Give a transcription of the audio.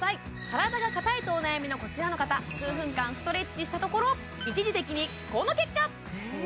体が硬いとお悩みのこちらの方数分間ストレッチしたところ一時的にこの結果！